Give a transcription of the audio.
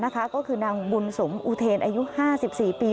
ก็คือนางบุญสมอุเทนอายุ๕๔ปี